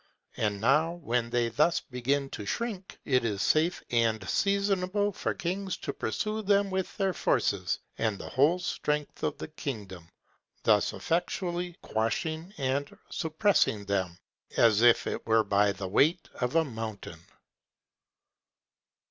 And now, when they thus begin to shrink, it is safe and seasonable for kings to pursue them with their forces, and the whole strength of the kingdom; thus effectually quashing and suppressing them, as it were by the weight of a mountain.